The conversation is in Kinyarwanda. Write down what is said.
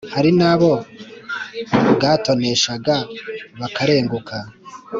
hari n’abo bwatoneshaga bakarenguka.